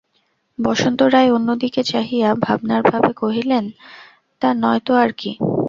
বসন্ত রায় অন্যদিকে চাহিয়া ভাবনার ভাবে কহিলেন, তা নয় তো আর কী।